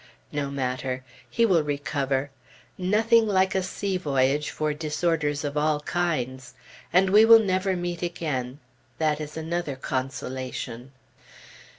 No matter! He will recover! Nothing like a sea voyage for disorders of all kinds. And we will never meet again; that is another consolation.